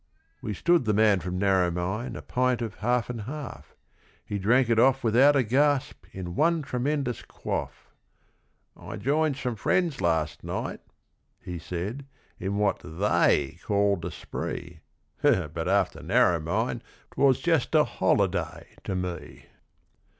..... We stood the man from Narromine a pint of half and half; He drank it off without a gasp in one tremendous quaff; 'I joined some friends last night,' he said, 'in what THEY called a spree; But after Narromine 'twas just a holiday to me.'